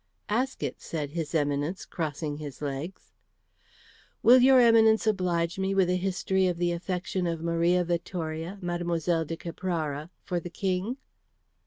"Ask it!" said his Eminence, crossing his legs. "Will your Eminence oblige me with a history of the affection of Maria Vittoria, Mlle. de Caprara, for the King?"